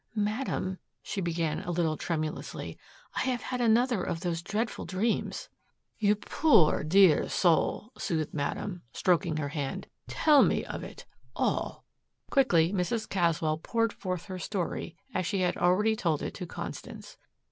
"Madame," she began a little tremulously, "I have had another of those dreadful dreams." "You poor dear soul," soothed Madame, stroking her hand. "Tell me of it all." Quickly Mrs. Caswell poured forth her story as she had already told it to Constance.